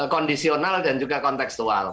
kondisional dan juga konteksual